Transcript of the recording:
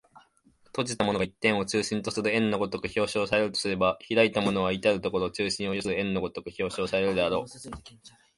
閉じたものが一点を中心とする円の如く表象されるとすれば、開いたものは到る処中心を有する円の如く表象されるであろう。